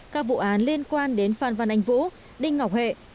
các vụ án liên quan đến phan văn anh vũ đinh ngọc hệ